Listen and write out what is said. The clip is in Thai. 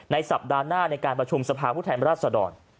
สัปดาห์หน้าในการประชุมสภาพผู้แทนราชดร